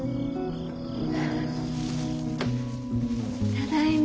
ただいま。